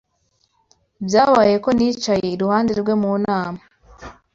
Byabaye ko nicaye iruhande rwe mu nama